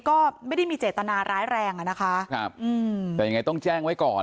ก็ไม่ได้มีเจตนาร้ายแรงอ่ะนะคะครับอืมแต่ยังไงต้องแจ้งไว้ก่อน